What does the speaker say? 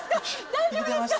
大丈夫ですか？